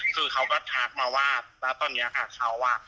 คือเขาก็ทักมาว่าแล้วตอนนี้ค่ะเขาอ่ะ